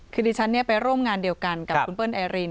คือดิฉันไปร่วมงานเดียวกันกับคุณเปิ้ลไอริน